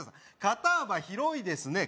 肩幅広いですね